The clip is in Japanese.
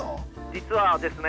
実はですね